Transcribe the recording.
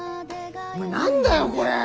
お前何だよこれ！